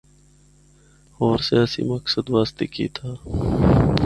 ہور سیاسی مقصد واسطے کیتا۔